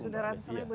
sudah ratusan ribu